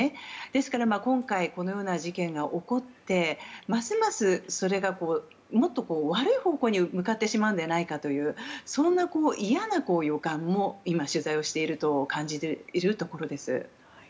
ですから、今回このような事件が起こってますます、それが悪い方向に向かってしまうのではないかというそんな嫌な予感も今、取材をしていると感じるところです。